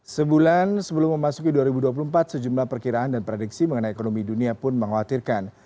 sebulan sebelum memasuki dua ribu dua puluh empat sejumlah perkiraan dan prediksi mengenai ekonomi dunia pun mengkhawatirkan